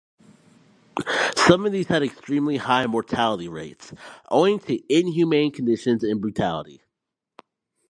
Some of these had extremely high mortality rates, owing to inhumane conditions and brutality.